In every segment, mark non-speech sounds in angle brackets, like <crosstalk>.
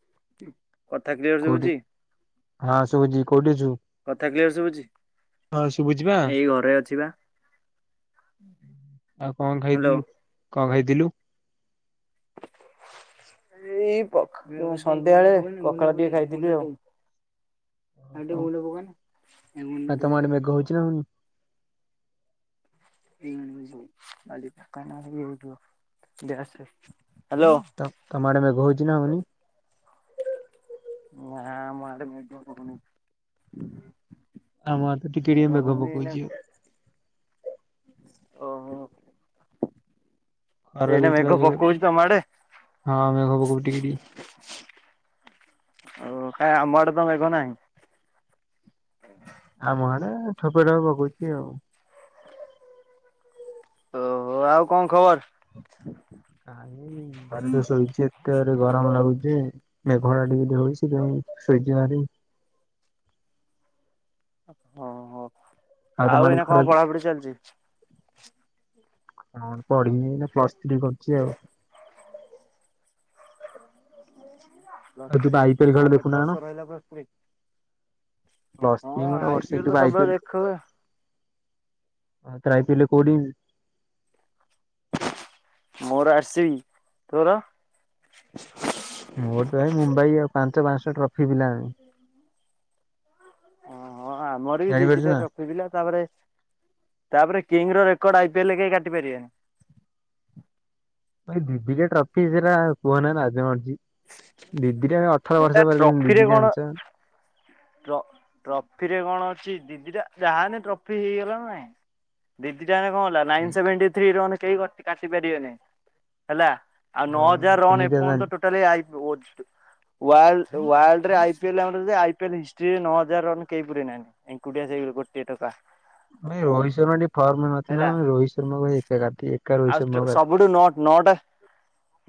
<unintelligible> Clear କୋଉଠି ଶୁଭୁଛି ହଁ ଶୁଭୁଛି କୋଉଠି ଅଛୁ କଥା କ୍ଲିୟର ଶୁଭୁଛି ହଁ ଶୁଭୁଛି ବା ଏଇ ଘରେ ଅଛି ବା ଆଉ କଣ ହ୍ୟାଲୋ। ଖାଇଥିଲୁ କଣ ଖାଇଥିଲୁ? ଏଇ ସନ୍ଧ୍ୟାବେଳେ ପଖାଳ ଟିକେ ଖାଇଥିଲି ଆଉ ଆଉ ଟିକେ ହ ଗୁଣ୍ଡ ପକାନା ଏ ଗୁଣ୍ଡ ଆ ତମ ଟିକେ ଆଡ଼େ ମେଘ ହଉଛି ନା ନାହିଁ <unintelligible> ତ ତମ ଆଡ଼େ ମେଘ ହଉଛି? ଦିନ ବେଳେ। ନାଁ ଆମ ଆଡ଼େ ମେଘ ହଉନି? ଆମ ତ ଟିକେ ଟିକେ ମେଘ ପକଉଛି, ଓହୋ ଖରା ଏଇନା ମେଘ ଦେଇଥିଲା ଜୋରେ ପକଉଛି ତମ ଆଡେ? ହଁ ମେଘ ପକାଉଛି ଟିକେ ଟିକେ। ଓ କାଇଁ ଆମ ଆଡ଼େ ତ ମେଘ ନାହିଁ? ଆମ ଆଡେ ଥୋପେ ଥୋପେ ପକଉଛି ଆଉ। ଓହୋ ଆଉ କଣ ଖବର? କାଇ ବାର <unintelligible> ଶୋଇଛି ଆଉ ଏତେ ଜୋରେ ଗରମ ଲାଗୁଛି ମେଘ ଟା ଟିକେ ଟିକେ ହଉଚି ତେଣୁ ଶୋଇଛି ହାରି। ହଁ ହଁ। ତମ ଆଉ, ଆଡେ ଏଇନା କଣ ଖରା ପଢାପଢି ଚାଲିଛି? କଣ ପଢିବି, ଏଇନା ପ୍ଲସ ଥ୍ରୀ କରୁଛି, ଆଉ। ପ୍ଲସ ଆଉ ତୁ ପା ଥ୍ରି, ଆଇ ପି ଏଲ ଖେଳ ଆଉ କେତେ ଦେଖୁନା କଣ? ବର୍ଷ ରହିଲା ପ୍ଲସ ଥ୍ରୀ, ପ୍ଲସ୍ ହଁ ଥ୍ରୀ ମୋର ଆଇ ବର୍ଷେ ପି ଏଲ ତୁ ତ ପା ଆଇ ସବୁବେଳେ ଦେଖୁ ଆ ତାତିଲ କୋଡ଼ି <inaudible> ମୋର ଆସିଚି, ତୋର ମୋର ତ ଭାଇ ମୁମ୍ବାଇ ଆଉ ପାଞ୍ଚ, <inaudible> ପାଞ୍ଚଶହ ଟା ଫିବି ଲାମି ଅ <inaudible> ହଁ ଆମର ବି ଦି ଜାଣିପାରୁଛୁ ଦିଟା ନା। ଟ୍ରଫି ଥିଲା, ତାପରେ ତାପରେ କିଙ୍ଗ ର ରେକର୍ଡ ଆଇପିଏଲରେ କେହି କାଟି ପାରିବେନି। ଭାଇ ଦି ଦିଟା ଟ୍ରଫି ସେରା କୁହନା, ନା ନାଜ ମାଡ଼ୁଛି। ଦି, ଦିଟା ଅଠର ତା ବର୍ଷ ପରେ ଦି, ଟ୍ରଫିରେ ଦିଟା କଣ ଆଣିଛ। ଟ୍ରଫିରେ କଣ ଅଛି, ଦି ଦିଟା ଯାହାନେ ଟ୍ରଫି ହେଇଗଲା, ନାଇଁ ଦି ଦି କଣ ହେଲା, ନାଇନ ସେଭେଣ୍ଟି ଥ୍ରୀ ର ମାନେ କେହି କାଟି ପାରିବେନି ହେଲା। ଆଉ ନଅ ହଜାର ରନ ଏମିତିଆ ଏପର୍ଯ୍ୟନ୍ତ ତାହାଲେ। ଟୋଟାଲି ଆ ୱାଲଡ, ୱାଲ୍ଡରେ ଆଇ ପି ଏଲ ଆମର ଯେମିତି ଆଇ ହିଷ୍ଟିରେ ନଅ ହଜାର ରନ କେହି ପୁରେଇ ନାହାନ୍ତି, ଏଙ୍କୁଟିଆ ସେଇ ଗୋଟିଏ ଟୋକା। ନାଇ ରୋହିତ ଶର୍ମା ଟିକେ ଫର୍ମ ହେଲା ନଥିଲା, ରୋହିତ ଶର୍ମା କୁ ପା ଏକା କାଫି। ଆଉ ସବୁଠୁ ନଅ, ନଅଟା,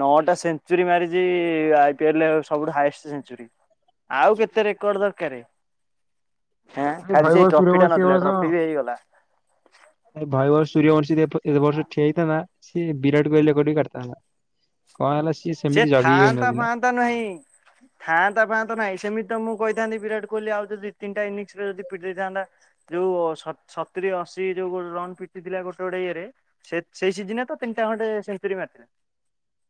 ନଅଟା ସେ ସେଞ୍ଚୁରି ମାରିଚି ଆଇ ପି ଏଲ ରେ ସବୁଠୁ ହାଏଷ୍ଟେ ସେଞ୍ଚୁରୀ, ଆଉ କେତେ ରେକଡ ଦରକାରେ। ଏ ଭଇବର ସୂର୍ଯ୍ୟବଂଶୀ ଏ ବର୍ଷ, ବି ହେଇଗଲା। ଭଇବର ସୂର୍ଯ୍ୟବଂଶୀ ଏ ବର୍ଷ ଠିଆହେଇ ତେ ନା ସେ ବିରାଟ କୋହିଲି ରେକର୍ଡ ବି କାଟିଥାନ୍ତା। କଣ ହେଲା ସିଏ ସେ ସେମିତି ଜଗିକି ଥାଆନ୍ତା, ଖେଳୁନଥିଲା। ଫାଆନ୍ତା ନାହିଁ, ଥାଆନ୍ତା, ଫାଆନ୍ତା ନାହିଁ, ସେମିତି ତ ମୁଁ କହିଥାନ୍ତି, ବିରାଟ କୋହଲି ଆଉ ଯଦି ତିନିଟା ଇନିଂସ ରେ ଯଦି ପିଟି ଦେଇଥାନ୍ତା, ଯୋଉ ସତୁରି, ଅଶୀ ଯୋଉ ରନ ପିଟିଥିଲା, ଗୋଟେ ଗୋଟେ ଇଏରେ ସେଇ ସିଜିନରେ ତ ତିନିଟା ଖଣ୍ଡେ ସେଞ୍ଚୁରି ମାରଥିଲା।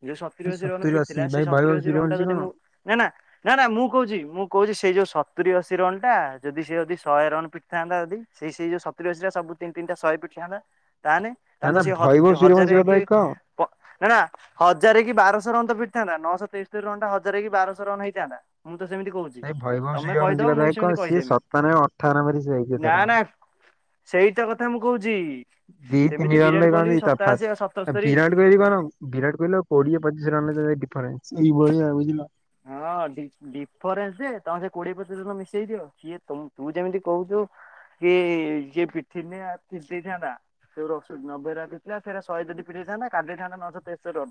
ଯୋଉ ସତୁରି, ଅଶୀ ରନ ଅଶୀ ପିଟିଥିଲା, ସେଇ ଭାଇ ସତୁରି, ଭୈଭବ ଅଶୀ ରନ ଟା ସୂର୍ଯ୍ୟବଂଶୀ ଯଦି କଣ ମୁଁ ନା, ନା, ନା, ନା ମୁଁ କହୁଛି, ମୁଁ କହୁଛି। ସେଇ ଯୋଉ ସତୁରି, ଅଶୀ ରନ ଟା ଯଦି ସେ ଯଦି ଶହେ ରନ ପିଟିଥାନ୍ତା, ଯଦି ସେଇ ଯୋଉ ସତୁରି, ଅଶୀ ଟା ସବୁ ତିନି ତିନିଟା ଶହେ ପିଟିଥାନ୍ତା। ତା ନେ, ନା ତାନେ ତ ନା ସେ ଭୈଭବ ସୂର୍ଯ୍ୟବଂଶୀ ହଜାରେ କି କଥା କହ ପ ନା, ନା ହଜାର କି ବାରଶହ ରନ ତ ପିଟିଥାନ୍ତା, ନଅଶହ ତେସ୍ତରି ରନ୍ ଟା ହଜାର କି ବାରଶହ ରନ ହେଇଥାନ୍ତା। ତ ସେମିତି କହୁଛି ଭାଇ ଭଇବହ ତମେ କହିଦବ ସୂର୍ଯ୍ୟବଂଶୀ ମୁଁ କଥା ବି ସେମିତି କଣ, ସିଏ କହିଦେମି ସତାନବେ ଅଠାନବେ ରେ ସେ ଯାଇଛି ତାର। ସେଇଟା କଥା ମୁଁ କହୁଛି, ଦି ସେମିତି ତିନି ରନ ବିରାଟ ରେ କୋହଲି କନ୍ତିି ତଫାତ୍, ସତାଅଶୀ ଆଉ ସତସ୍ତରୀ ବିରାଟ କୋହଲିି କଣ ବିରାଟ କୋହିଲ କୋଡିଏ ପଚିଶିରନ ଭିତରେ ଡିଫରେନଣ୍ଟ ସେଇ ଭଳିଆ ବୁଝିଲ। ହଁ ଡିଫରେନ୍ସ ଯେ ତମେ ସେ କୋଡିଏ ପଚିଶ ଜଣ ମିଶେଇ ଦିଅ ସଏ ତୁ ଯେମିତି କହୁଛୁ କି ଯି <unintelligible> ଏ ପିଠ ଦେଇ ଥାନ୍ତା <unintelligible> ନବେ ରେ ଆସି ଥିଲା ସେ ଶହେ ଯଦି ପିଟି ଦେଇଥାନ୍ତା କାଟି କାଟି ଦେଇ ଥାନ୍ତେ ନଅଶହ ତେସ୍ତର ରନ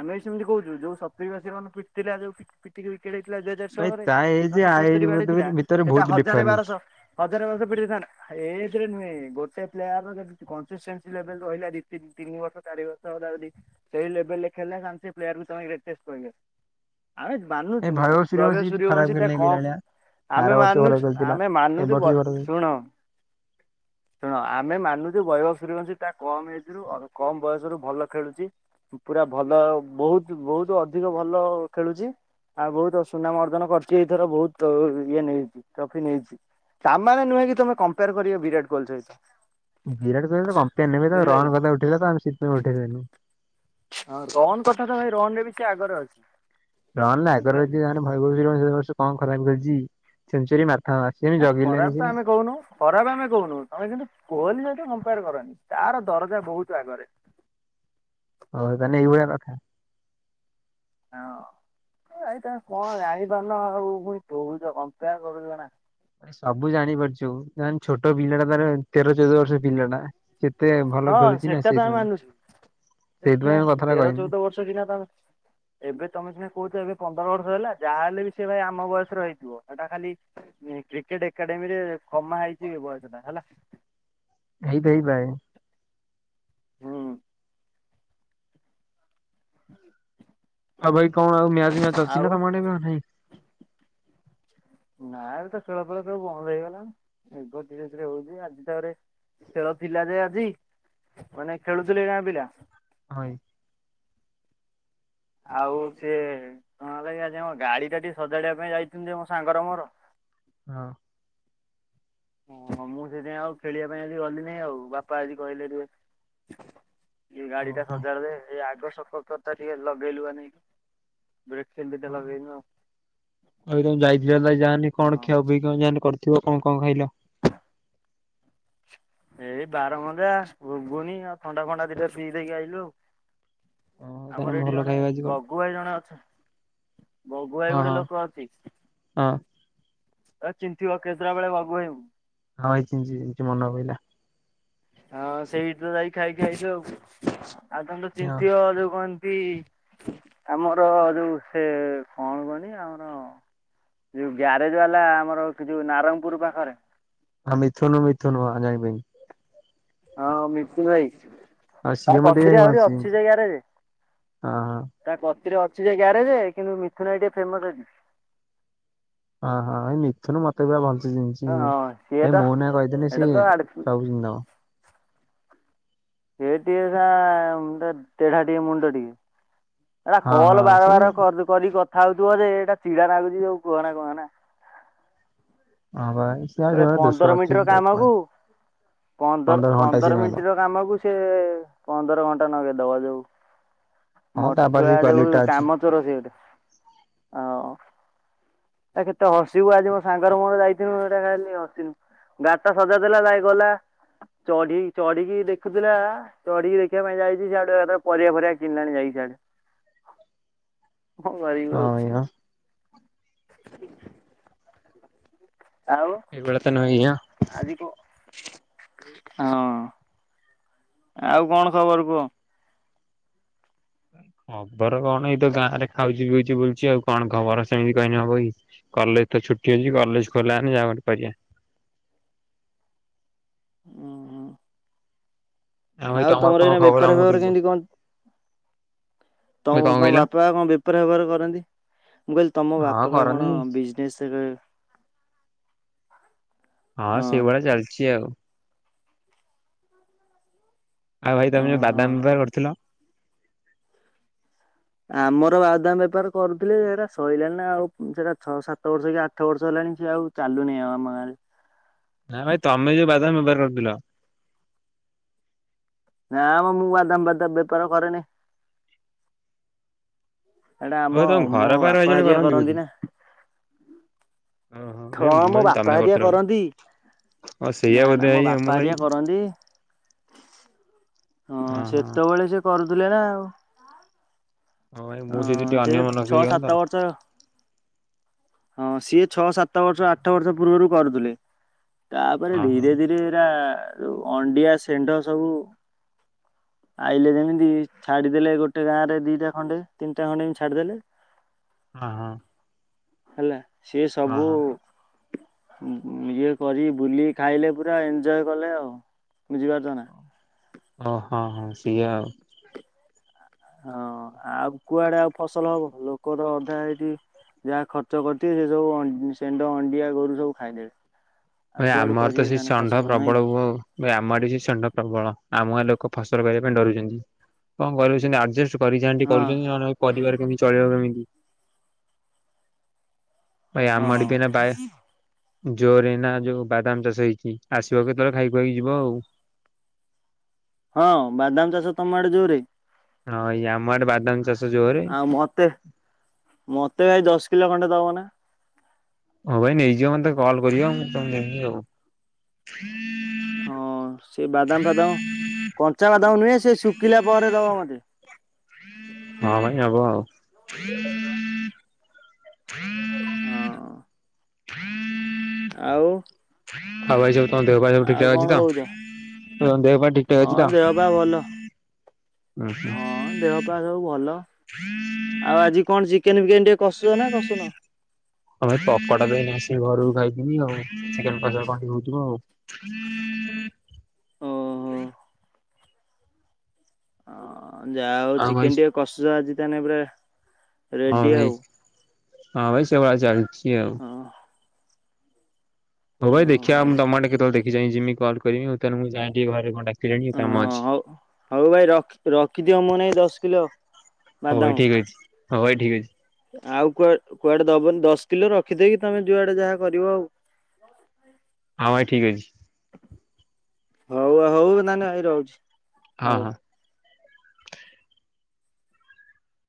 ଆମେ ବି ସେମିତି କହୁଛୁ ଯୋଉ ସତୁରି ଅଶୀ ରନ୍ ପିଟି ଥିଲା ଯୋଉ ସେତିକି ଭିତରେ। ଥିଲା ଦୁଇ ଭାଇ ହଜାରଷୋହଳରେ ତା ଏଜ୍ ପାଞ୍ଚଶହ ଆ ଏଜ୍ ତେସ୍ତରୀ ବାଡିି ଥିଲା ଭିତରେ ଏଟା ବହୁତ ହଜାର ଡିଫରେନ୍ସ। ବାରଶହ ହଜାର ବାରଶହ ପଡି ଦେଇଥାନ୍ତା ଏଥିରେ ନୁହେଁ ଗୋଟେ ପ୍ଲେୟାର ଯଦି କଷ୍ଟିସେଷ୍ଟି ଲେବୁଲ୍ ରହିଲା ଦି ତିନି ବର୍ଷ ଚାରି ବର୍ଷ ହେଲା ଯଦି ସେଇ ଲେବୁଲୁ ରେ ଖେଳିଲେ ସେ ପ୍ୟାୟାର ତମେ <unintelligible> କହିଲ ଆମେ ଏଇ ମାନୁଛୁ ଭୈଭବ ସୂର୍ଯ୍ୟବଂଶୀ ବୈଭବ କିଛି ସୂର୍ ଖରାପ ର୍ଵଂଶ ତା ଖେଳିନି କେଜାଣି କଣ ଆର ଆମେ ବର୍ଷ ଭଲ ମାନୁଛୁ ଖେଳିଥିଲା। ଆମେ ଏ ମାନୁଛୁ ବର୍ଷ ବୈ ବି ଭଲ ଖେଳୁଛି। ଶୁଣ ଶୁଣ ଆମେ ମାନୁଛୁ ବୈଭ ଶୁ ସୂର୍ୟବଂଶି ତା କମ ଏଜ୍ ରୁ କମ ବୟସରୁୁ ଭଲ ଖେଳୁଛି ପୁରା ଭଲ ବହୁତ ବହୁତ ଅଧିକ ଭଲ ଅ ଖେଳୁଛି ଆଉ ବହୁତ ସୁନାମ ଅର୍ଜନ କରିଛି ଏଇଥର ବହୁତ ଇଏ ନେଇଛି ଟ୍ରଫି ନେଇଛି ତାମାନେ ନୁହେଁ କି ତମେ କମ୍ପେୟାର କରିବ ବିରାଟ କୋହଲି ସହିତ। ବିରାଟ କୋହଲି ତ କମ୍ପ ନେବ ତ ବୁଝିପାରିଲ। ରନ କଥା ଉଠେଇଲା ତ ଆମେ ସେଥିପାଇଁ ଉଠେଇଦେଲୁ। ହଁ ରନ୍ କଥା ତ ଭାଇ ରନ୍ ରେ ବି ସେ ଆଗରେ ଅଛି। ରନ୍ ନା ଆଗରୁ ବୁଝିପାରିଲ। <unintelligible> କଣ ଖରାପ ଖେଳିଛି ସେଞ୍ଚୁରି ମାର୍ ନା ଖରାପ ତ ଆମେ କହୁନୁ ଖରାପ ଆମେ କହୁନୁ ତମେ କିନ୍ତୁ କୋହିଲି ସହିତ କମ୍ପେୟାର କରନି। ତାର ଦରଜା ବହୁତ ଆଗରେ। ହଉ ତାନେ ଏହିଭଳିଆ କଥା। ହଁ ଭାଈ ତ କଣ ଜଣିପାରୁନ ଆଉ ପୁଣି କହୁଛ କମ୍ପେୟାର କରୁଛ ନା। ସବୁ ଜାଣି ପାରୁଚୁ ଯେ ଛୋଟ ପିଲାଟା ତାର ତେର ଚଉଦ ବର୍ଷ ପିଲା ଟା। ହଁ ସେଟା ତ ଆମେ ମାନୁଛୁ ସିନା ସେଇଥିପାଇଁ ମୁଁ କଥାଟା ତେର କହିନି ଚଉଦ ବର୍ଷ ସିନା ତମେ ଏବେ ତମେ ସିନା କହୁଚ ଏବେ ପନ୍ଦର ବ ହେଲା ଯାହାହେଲେ ବି ସେ ଭାଇ ଆମ ବୟସରେ ହେଇଥିବ ସେଟା ଖାଲି କ୍ରିକେଟ ଏକାଡେମୀରେ କମା ହେଇଛି ବୟସ ଟା ହେଲା। ହେଇ ଥାଇ ପାରେ। ହୁଁ ଆଉ ଭାଇ କଣ ଆଉ ମ୍ୟାଚ ମ୍ୟାଚ ଅଛି ଆଉ ନା ତମ ଆଡେ ଏବେ ଆଉ ନାହିଁ। ଗାଁ ରେ ତ ଖେଳ ଫେଳ ସବୁ ବନ୍ଦ ହେଇଗଲାଣି ମେଘ ଧୀରେ ଧୀରେ ହଉଛି ଆଜି ତାପରେ ଖେଳ ଥିଲା ଯେ ଆଜି ମାନେ ଖେଳୁଥିଲେ ଗାଁ ପିଲା ହଁ ଇ ଆଉ ସିଏ କଣ ହେଲା କି ଆଜି ଆମ ଗାଡି ଟା ଟିକେ ସଜାଡିବା ପାଇଁ ଯାଇଥିଲୁ ଯେ ମୋ ସାଙ୍ଗର ମୋର ହଁ। ଓଁ ମୁଁ ସେଥିପାଇଁ ଆଉ ଖେଳିବା ପାଇଁ ଆଜି ଗଲିନି ଆଉ ବାପା ଆଜି କହିଲେ ଟିକେ ଏ ଗାଡି ଟା ହଁ ହଁ। ସଜାଡ ଯାଏ ଏଇ ଆଗ ସକପଚରଟା ଟିକେ ଲଗେଇଲୁ ବା ନେଇଁ। ହଁ ଆଉ ତମ ଯାଇଥିଲ ଯାହାନି କଣ ହଁ କ୍ଷୟ ପିଇ ଯା କରି <unintelligible> ଥିବ କଣ କଣ ଖାଇଲ? ଏଇ ବାରମଜା ଘୁଗୁନି ଆଉ ଥଣ୍ଡା ଫଣ୍ଡା ଦିଟା ପି ଦେଇକି ଆଇଲୁ ଆଉ। ହଁ ତାହେଲେ ଆମର ଏଇଠି ଭଲ ଜଣେ ଖାଇବା ଆଜି କଣ ବଗୁ ଭାଇ ଜଣେ ଅଛି ବଗୁ ଭାଇ ହଁ ଗୋଟେ ହଁ ଲୋକ ଅଛି। ହଁ। ଏ ଚିନିଥିବ କେନ୍ଦ୍ରାପଡ଼ା ବଗୁ ଭାଇ ଙ୍କୁ। ହଁ ଭାଇ ଚିହ୍ନିଚି ଚିହ୍ନିଚି ମନ ପଇଲା। ହଁ ସେଇଠି ତ ଯାଇ ଖାଇକି ଆଇଚୁ ଆଉ। ଆଉ ତମେ ତ ହଁ। ଚିହ୍ନିଥିବ ଯୋଉ କଣ ତି ଆମର ଯୋଉ ସେ କଣ କହନି ଆମର ଯୋଉ ଗ୍ୟାରେଜ ବାଲା ଆମର କି ଯୋଉ ନାରଙ୍ଗପୁର ପାଖରେ। ହଁ ମିଥୁନୁ ମିଥୁନୁ ହଁ ଜାଣି ପାଇଲି। ହଁ ମିଥୁନ ଭାଇ। ଆଉ ତା ସିଏ ମତେ ବି କଚରୀ ଭାଇ ଆହୁରି ଭଲସେ ଅଛି ଚିହ୍ନିଚି ଜାଗାରେ ହଁ ହଁ। ତା କ ଥିରେ ଅଛି ଯେ ଗ୍ୟାରେଜ କିନ୍ତୁ ମିଥୁନ ଭାଇ ଟିକେ ଫେମସ ଅଛି। <inaudible> ହଁ ହଁ ଏଇ ମିଥୁନୁ ମତେ ବି ଭଲ ହଁ ସିଏ ତ <unintelligible> ମୋହନ ଭାଇ କହିଦେଲେ ସେଇଟା ତ ସିଏ ଆଡ ସେ ସବୁ ଚିହ୍ନି ଦବ ସେ ଟିକେ ତା ତେଢା ଟିକେ ମୁଣ୍ଡ ଟିକେ ହେରା ହଁ କଲ ହଁ ବାର ସେ ହଁ ବାର ବା କରି କ ଆଉଥିବ ଯେ ଏଇଟା ଚିଡା ଲାଗୁଚି ଯୋଉ କୁହନା କୁହନା। <inaudible> ସେ ଆଉ ସେଭଳିଆ ଦୋଷ ପନ୍ଦର ଅଛି ମିନିଟ ର କାମ ପ- କୁ <inaudible> ପନ୍ଦର ଘଣ୍ଟା ସିଏ ପନ୍ଦର ରହିବ। ମିନିଟ ର କାମ କୁ ସିଏ ପନ୍ଦର ଘଣ୍ଟା ନଗେଇଦବ ଯୋଉ ହଁ ତା ପାଖରେ ମଠୁଆ ସେଇ ଯୋଉ କ୍ୱାଲିଟି ଟା ଅଛି। କାମଚୋର ସେ ଗୋଟେ। <inaudible> ଆଉ। ଆ କେତେ ହସିବୁ ଆଜି ମୋ ସାଙ୍ଗର ମୋର ଯାଇଥିଲୁ ସେଟା ଖାଲି ହସିନୁ। ଗାଡିଟା ସଜାଡି ଦେଲା ଯାଇ ଗଲା ଚଢି ଚଢିକି ଦେଖୁଥିଲା। ଚଢିକି ଦେଖିବା ପାଇଁ ଯାଇଚି ସିଆଡେ ପରିବା ଫରିବା କିଣିଲାଣି ଯାଇକି ସିଆଡେ। କଣ କରିବୁ ଆଉ। ହଁ <inaudible> ଏଇଆ <inaudible> ଆଉ ଏବେ <unintelligible> ଆଜି କ ହଁ ଆଉ କଣ ଖବର କୁହ? ଖବର କଣ ଏଇ ତ ଗାଁ ରେ ଖାଉଛି ପିଉଛି ବୁଲୁଚି। ଆଉ କଣ ଖବର ସେମିତି କହିନେ ହବକି। କଲେଜ ତ ଛୁଟି ଅଉଛି କଲେଜ ଖୋଲା ହେଲେ ଯାହା ଗୋଟେ କରିବା। <inaudible> ଉଁ ହୁଁ। ଭାଇ ଆଉ ତମର କଣ ଏଇନା ଖବର ବେପାର ଆମକୁ ଫେପାର ଟିକେ କୁହ। କେମତି କଣ ତମ ଭାଇ କଣ ତମ କହିଲ? ବାପା କଣ ବେପାର ଫେପାର କରନ୍ତି। ମୁଁ କହିଲି ତମ ହଁ ବାପା ବା କଣ କରନି। ବିଜନେସ ରେ ହଁ ସେଇଭଳିଆ ଚାଲିଛି ଆଉ। ଆଉ ଭାଇ ତମେ ଯୋଉ ଓହୋ। ବାଦାମ ବେପାର କରିୁଥିଲ। ଆମର ବାଉଦାମ ବେପାର କରୁଥିଲେ ସେଟା ସରିଲାଣି ନା। ଆଉ ସେଇଟା ଛଅ ସାତ ବର୍ଷ କି ଆଠ ବର୍ଷ ହେଲାଣି ସ ଆଉ ଚାଲୁନି ଆଉ ଆମ ଗାଁରେ। ନା ଭାଇ ତମେ ଯୋଉ ବାଦାମ ବେପାର କରୁଥିଲ। <inaudible> ନାଁମ ମୁଁ ବାଦାମ ଫାଦାମ ବେପାର କରେନି। ହେଇଟା ହଉ ଆମ ତମ ମୋ ଘର ପାଖରେ ଭାଇ ବାପା ଜଣେ ହେରିକା କରନ୍ତି ବୋଧେ ନା। ଓହୋ <inaudible> ଭାଇ ହଁ ମୁଁ ମୋ ଭାବିଲି ବାପା ତମେ ହାରିକା କରୁଥିଲ କରନ୍ତି। ହଁ <inaudible> ସେଇଆ ନା ନା ବୋଧେ ମୋ ଭାଇ ମୁଁ ବାପା ଭାଇ ହାରିକା କରନ୍ତି। ହଁ ସେତେବେଳେ ସେ କରୁଥିଲେ ନା ଓହ ହଁ ଏ ମୁଁ ସେଇଠି ଟିକେ ଅନ୍ୟମନସ୍କ ହେଇଗଲି ସାତ ତ। <inaudible> ବର୍ଷ ହଁ ସିଏ ଛଅ ସାତ ବର୍ଷ ଆଠ ବର୍ଷ ପୂର୍ବରୁ କରୁଥିଲେ। ତାପରେ ହଁ ହଁ ଧୀରେ ଧୀରେ ଏରା ଆଉ ଅଣ୍ଡିଆ ସେଣ୍ଢ ସବୁ ଆଇଲେ ଯେମିତି ଛାଡିଦେଲେ ଗୋଟେ ଗାଁ ରେ ଦିଟା ଖଣ୍ଡେ ତିନିଟା ଖଣ୍ଡେ ଏମିତି ଛାଡିଦେଲେ। ଓ ହଁ। ହେଲା। ସେ ହଁ ସବୁ ହଁ ଇଏ କରି ବୁଲି ଖାଇଲେ ପୁରା ଏନ୍ଜୟ କଲେ ଆଉ ବୁଝିପାରୁଛ ନା। ଓ ହଁ ହଁ ସିଏ ଆଉ। ହଁ ଆଉ କୁଆଡେ ଆଉ ଫସଲ ହବ ଲୋକ ତ ଅଧା ହେଇଠି ଯାହା ଖର୍ଚ୍ଚ କରିଥିବେ ସେ ସବୁ ଷେଣ୍ଢ ଅଣ୍ଡିଆ ଗୋରୁ ସବୁ ଖାଇଦେବେ। ଆଉ ଭାଇ କୁଆଡୁ ଆମର ତ କରିବେ ସେ ତାହେଲେ ଷଣ୍ଢ ଫସଲ ନାଇଁ ପ୍ରବଳ କି? ହୁ ଆମ ଆଡ଼େ ସେ ଷଣ୍ଢ ପ୍ରବଳ ଆମ ଲୋକ ଫସଲ କରିବା ପାଇଁ ଡରୁଛନ୍ତି। କଣ କରିବୁ ସେମିତି ଆଡଜେଷ୍ଟ୍ ପଡ଼ିଶା ଆଣ୍ଟି ହଁ କରୁଛନ୍ତି ନହେଲେ ପରିବାର କେମିତି ଚଳିବ କେମିତି? ଭାଇ ଆମ ହଁ ଆଡ଼େ କି ନା ବାଏ ଜୋରେ ଏନା ଯୋଉ ବାଦାମ ଚାଷ ହେଇଚି ଆସିବ କେତେବେଳେ ଖାଇ ଖୁଆକି ଯିବ ଆଉ। ହଁ ବାଦାମ ଚାଷ ତମ ଆଡେ ଜୋରେ? ହଁ ଏଇ ଆମ ଆଡେ ବାଦାମ ଚାଷ ଜୋରେ ଆଉ ମତେ ମତେ ଭାଇ ଦଶ ଲେ ଖଣ୍ଡେ ଦବ ନା? ହଉ ଭାଇ ନେଇଯିବ ମତେ କଲ କରିବ ମୁଁ ତମକୁ ଦେବି ଆଉ। ହଁ ସେ ବାଦାମ ଫାଦାମ କଞ୍ଚା ବାଦାମ ନୁହେଁ ସେ ଶୁଖିଲା ପରେ ଦବ ମତେ। ହଉ। ହଁ। ଆଉ ଆଉ ଭାଇ ସବୁ ତମ ଦେହ ପା ସବୁ ଠିକ ଆଉ ଠାକ କଣ ଅଛି ତ? କହୁଛ? ତମ ଦେହ ପା ଠିକ୍ ଠାକ୍ ଅଛି ହଁ ତ? ଦେହ ପା ଭଲ ଉଁ ହୁଁ। ହଁ ଦେହ ପା ସବୁ ଭଲ ଆଉ ଆଜି କଣ ଚି ଚିକେନ ଫିକେନ ଟିକେ କସୁଚ ନା କସୁନ? ହଁ ଭାଇ ପକୋଡା ତ ଏନେ ଆସିକି ଘରକୁ ଖାଇଥିଲି ଆଉ ଚିକେନ କସା କଣ ଟିକେ ହଉଥିବ ଆଉ। ଓହୋ। ଅ ହଁ ଯାହା ଆଉ ଚିକେନ ଟିକେ କଷୁସ ଆଜି ତାହେନେ ପୁରା ହଁ ରେଡି ଭାଇ ଆଉ। ହଁ ଭାଇ ସ ସେଭଳିଆ ଚାଲିଚି। ଆଉ। ହଁ। ହଉ ଭାଇ ଦେଖିବା ହଉ ଆମ ତମ ଆଡ଼େ କେତବେଳେ ଦେଖି ଦେଖି ଯାଇଁ ଜିମି କଲ୍ କରିବି ଆଉ ତେଣୁ ମୁଁ ଯାଏ ଘରେ ଟିକେ କଣ ଡାକ ହଁ ହଉ ହଉ ଭାଇ ରଖି ରଖିଦିଅ ମୋ ନାଗି ଦଶ କିଲୋ ହଉ ଭାଇ ବାଦାମ। ଠିକ୍ ଅଛି। ହଉ ଭାଇ ଠିକ ଅଛି। ଆଉ କୁଆ କୁଆଡେ ଦବନି ଦଶ କିଲୋ ରଖିଦେଇକି ତମେ ଯୁଆଡେ ଯାହା କରିବ ଆଉ। ହଁ ଭାଇ ଠିକ ଅଛି। ହଉ ହଉ ତାହେନେ ଭାଇ ରହୁଚି। ହଁ ହଁ।